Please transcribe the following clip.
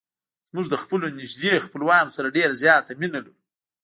موږ له خپلو نږدې خپلوانو سره ډېره زیاته مینه لرو.